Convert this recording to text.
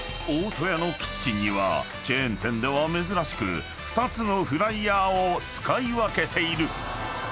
大戸屋のキッチンにはチェーン店では珍しく２つのフライヤーを使い分けている］